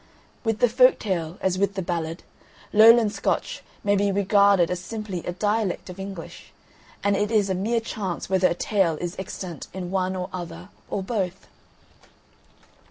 With the Folk tale as with the Ballad, Lowland Scotch may be regarded as simply a dialect of English, and it is a mere chance whether a tale is extant in one or other, or both.